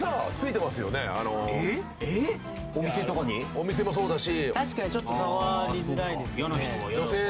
お店もそうだし。